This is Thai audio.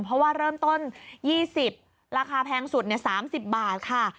เพราะว่าเริ่มต้น๒๐ราคาแพงสุด๓๐บาทค่ะ